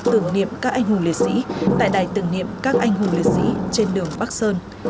tưởng niệm các anh hùng liệt sĩ tại đài tưởng niệm các anh hùng liệt sĩ trên đường bắc sơn